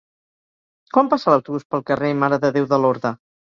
Quan passa l'autobús pel carrer Mare de Déu de Lorda?